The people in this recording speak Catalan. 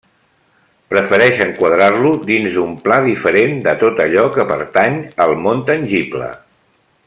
Prefereix enquadrar-lo dins d'un pla diferent de tot allò que pertany al món tangible.